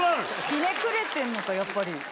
ひねくれてんのかやっぱり。